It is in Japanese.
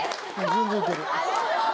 全然いける。